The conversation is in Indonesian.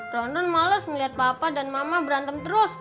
ron ron males ngeliat papa dan mama berantem terus